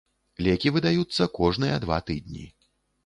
Лекі выдаюцца кожныя два тыдні.